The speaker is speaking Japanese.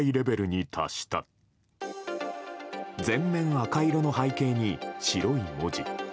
全面赤色の背景に白い文字。